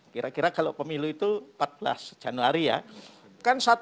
kira kira kalau pemilu itu empat belas januari ya